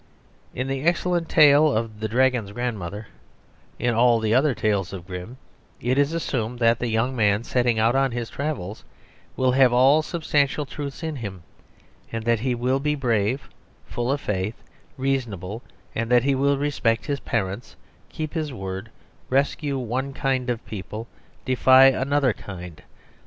In the excellent tale of 'The Dragon's Grandmother,' in all the other tales of Grimm, it is assumed that the young man setting out on his travels will have all substantial truths in him; that he will be brave, full of faith, reasonable, that he will respect his parents, keep his word, rescue one kind of people, defy another kind, 'parcere subjectis et debellare,' etc.